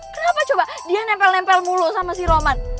kenapa coba dia nempel nempel mulu sama si roman